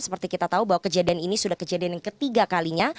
seperti kita tahu bahwa kejadian ini sudah kejadian yang ketiga kalinya